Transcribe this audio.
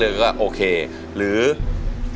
ฟังแทนเนี่ย